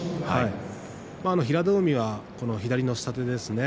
平戸海は左の下手ですね。